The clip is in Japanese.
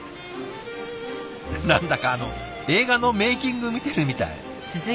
何だか映画のメーキング見てるみたい。